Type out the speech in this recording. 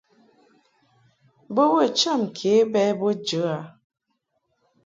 Bo bə cham ke bɛ bo jə a.